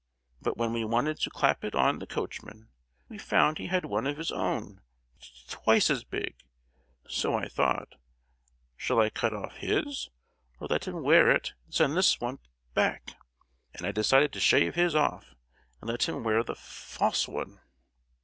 But when we wanted to clap it on the coachman, we found he had one of his own t—twice as big; so I thought, shall I cut off his, or let him wear it, and send this one b—back? and I decided to shave his off, and let him wear the f—false one!"